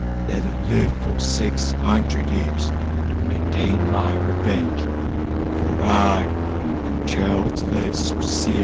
that have lived for six hundred years to maintain my revenge, FOR I AM CHARLES LE SORCIER!"